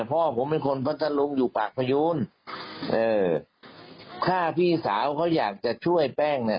พ่อผมเป็นคนพัทธรุงอยู่ปากพยูนเอ่อถ้าพี่สาวเขาอยากจะช่วยแป้งเนี่ย